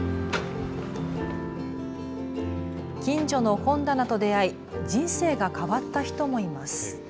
きんじょの本棚と出会い人生が変わった人もいます。